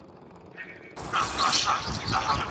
کمپيوټر ماشين لرنينګ کاروي.